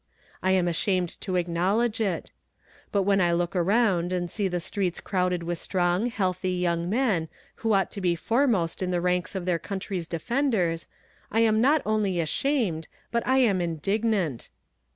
I am ashamed to acknowledge it! But when I look around and see the streets crowded with strong, healthy young men who ought to be foremost in the ranks of their country's defenders, I am not only ashamed, but I am indignant!